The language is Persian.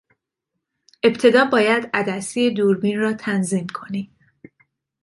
ابتدا باید عدسی دوربین را تنظیم کنی.